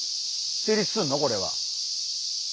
成立するのこれは？